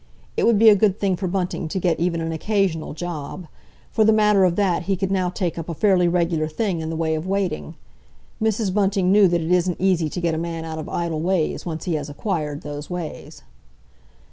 It would be a good thing for Bunting to get even an occasional job—for the matter of that he could now take up a fairly regular thing in the way of waiting. Mrs. Bunting knew that it isn't easy to get a man out of idle ways once he has acquired those ways.